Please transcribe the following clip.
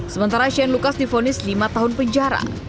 sementara shane lucas difonis lima tahun penjara